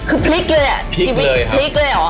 คือพลิกเลยอ่ะชีวิตพลิกเลยเหรอพลิกเลยครับ